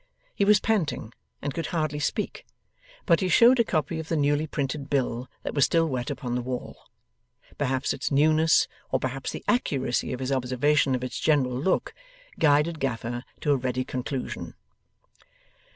He was panting, and could hardly speak; but, he showed a copy of the newly printed bill that was still wet upon the wall. Perhaps its newness, or perhaps the accuracy of his observation of its general look, guided Gaffer to a ready conclusion.